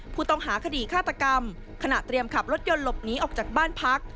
ผู้ต้องหาคดีฆาตกรรมขณะเตรียมขับรถยนต์หลบหนีออกจากบ้านพัก